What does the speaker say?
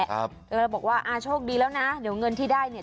ก็เลยบอกว่าอ่าโชคดีแล้วนะเดี๋ยวเงินที่ได้เนี่ย